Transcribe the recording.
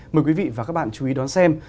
mời quý vị và các bạn chú ý đón xem